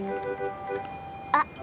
あっ！